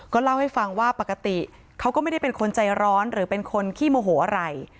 เล่าให้ฟังว่าปกติเขาก็ไม่ได้เป็นคนใจร้อนหรือเป็นคนขี้โมโหอะไร